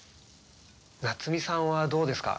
夏美さんはどうですか？